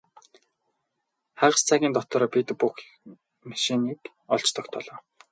Хагас цагийн дотор бид бүх машиныг олж тогтоолоо.